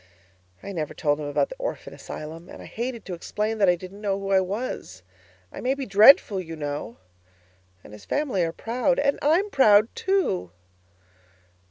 I never told him about the orphan asylum, and I hated to explain that I didn't know who I was. I may be DREADFUL, you know. And his family are proud and I'm proud, too!